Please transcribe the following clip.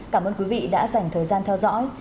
cảm ơn quý vị đã dành thời gian theo dõi